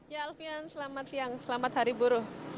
ya alfian selamat siang selamat hari buruh